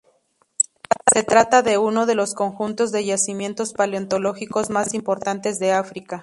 Se trata de uno de los conjuntos de yacimientos paleontológicos más importantes de África.